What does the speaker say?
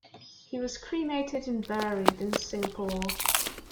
He was cremated and buried in Singapore.